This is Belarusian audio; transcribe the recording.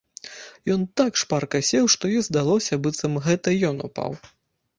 Ён так шпарка сеў, што ёй здалося, быццам гэта ён упаў.